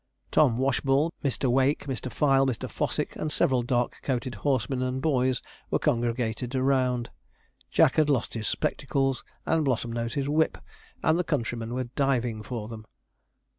Tom Washball, Mr. Wake, Mr. Fyle, Mr. Fossick, and several dark coated horsemen and boys were congregated around. Jack had lost his spectacles, and Blossomnose his whip, and the countrymen were diving for them.